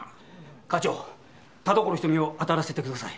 課長田所瞳をあたらせてください。